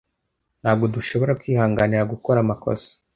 Ntabwo dushobora kwihanganira gukora amakosa.